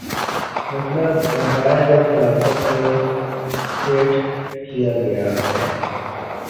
مطلب ایمپائر اور خلافت میں سیٹ کیا گیا ہے